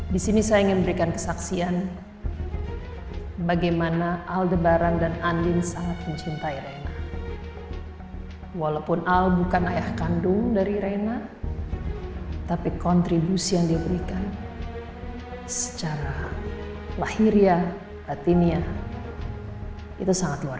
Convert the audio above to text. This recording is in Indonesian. di sini saya ingin memberikan kesaksian